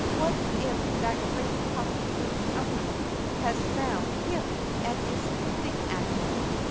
What if that great puffy Boom a Room has found him, and is scolding at him